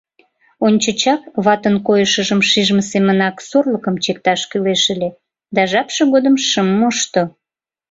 Ончычак, ватын койышыжым шижме семынак, сорлыкым чикташ кӱлеш ыле, да жапше годым шым мошто.